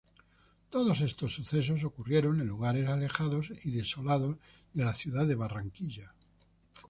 Todos estos sucesos ocurrieron en lugares alejados y desolados de la ciudad de Barranquilla.